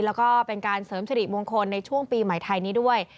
แล้วก็เป็นการเสริมสิริมงคลในช่วงปีใหม่ไทยนี้ด้วย